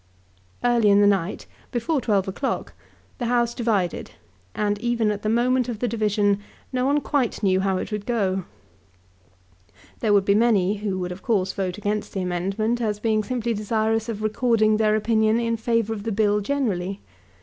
Early in the night, before twelve o'clock, the House divided, and even at the moment of the division no one quite knew how it would go. There would be many who would of course vote against the amendment as being simply desirous of recording their opinion in favour of the Bill generally.